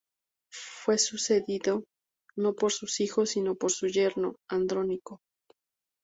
Fue sucedido no por sus hijos sino por su yerno, Andrónico.